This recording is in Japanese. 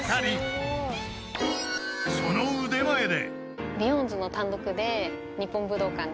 ［その腕前で］